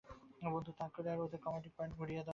বন্দুক তাক করো আর ওদের কমান্ডিং পয়েন্ট গুঁড়িয়ে দাও।